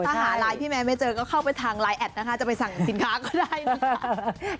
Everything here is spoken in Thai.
ถ้าหาไลน์พี่แมนไม่เจอก็เข้าไปทางไลน์แอดนะคะจะไปสั่งสินค้าก็ได้นะคะ